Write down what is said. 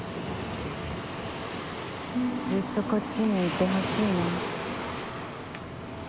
ずっとこっちにいてほしいな。